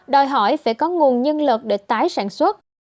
đòi hỏi phải có nguồn nhân lực để tái sản xuất